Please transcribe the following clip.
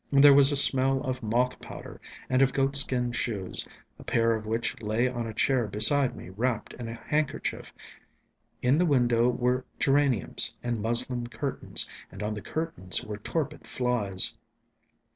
There was a smell of moth powder, and of goatskin shoes, a pair of which lay on a chair beside me wrapped in a handkerchief. In the windows were geraniums, and muslin curtains, and on the curtains were torpid flies.